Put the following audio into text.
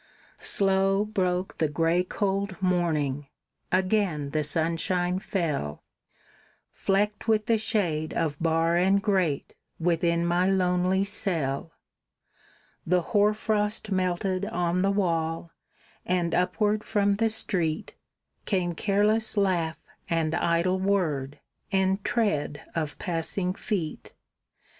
Slow broke the gray cold morning; again the sunshine fell, Flecked with the shade of bar and grate within my lonely cell; The hoar frost melted on the wall, and upward from the street Came careless laugh and idle word, and tread of passing feet.